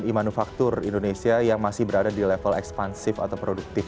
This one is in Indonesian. sementara itu kenaikan satisiknya di dalam negara negara yang masih berada di level ekspansif atau produktif